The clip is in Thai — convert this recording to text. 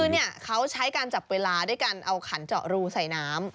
คือเขาใช้การจับเวลาด้วยการเอาขันเจาะรูใส่น้ำ